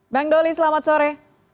bang doli selamat sore